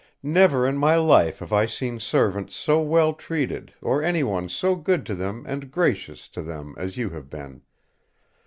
Never in my life have I seen servants so well treated or anyone so good to them and gracious to them as you have been.